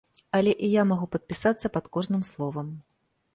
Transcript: Але і я магу падпісацца пад кожным словам.